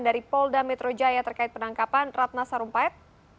dari polda metrojaya terkait penangkapan ratna sorumpait